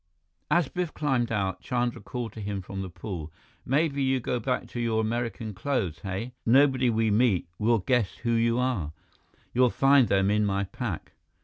As Biff climbed out, Chandra called to him from the pool: "Maybe you go back to your American clothes, hey? Nobody we meet will guess who you are. You'll find them in my pack."